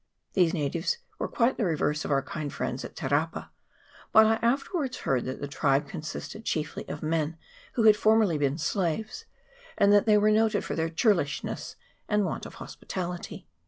These natives were quite the reverse of our kind friends at Te rapa ; but I afterwards heard that the tribe con sisted chiefly of men who had formerly been slaves, and that they were noted for their churlishness and want of hospitality.